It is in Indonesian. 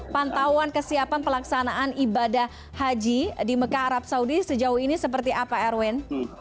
pantauan kesiapan pelaksanaan ibadah haji di mekah arab saudi sejauh ini seperti apa erwin